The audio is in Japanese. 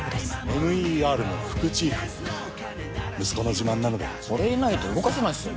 ＭＥＲの副チーフ息子の自慢なので俺いないと動かせないっすよね